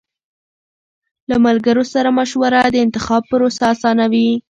له ملګرو سره مشوره د انتخاب پروسه آسانوي.